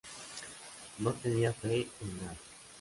No tenía fe en nada.